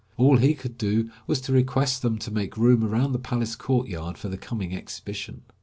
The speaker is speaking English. All he could do was to request them to make room around the palace courtyard for the coming exhibition.